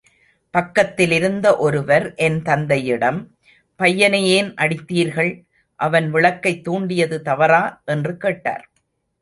பக்கத்திலிருந்த ஒருவர், என் தந்தையிடம்— பையனை ஏன் அடித்தீர்கள்? அவன் விளக்கைத் தூண்டியது தவறா? என்று கேட்டார்.